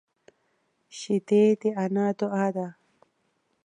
شیدې د انا دعا ده